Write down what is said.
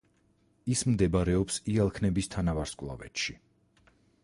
ის მდებარეობს იალქნების თანავარსკვლავედში.